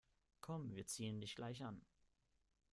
Komm, wir ziehen dich gleich an.